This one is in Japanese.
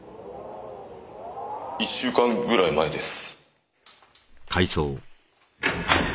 １週間ぐらい前です。